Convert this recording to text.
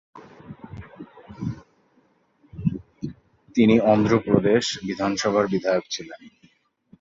তিনি অন্ধ্রপ্রদেশ বিধানসভার বিধায়ক ছিলেন।